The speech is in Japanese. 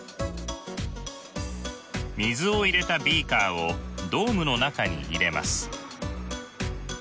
水を入れたビーカーをドームの中に入れます。